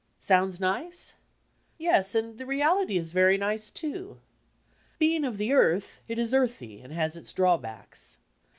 Sounds nice? Yes, and the reality is very nice, too. Be ing of the earth, it is earthy, and has its drawbacks.